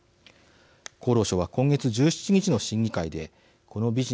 厚労省は今月１７日の審議会でこのビジネスの課題を整理。